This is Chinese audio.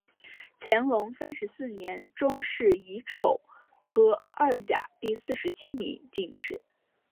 乾隆三十四年中式己丑科二甲第四十七名进士。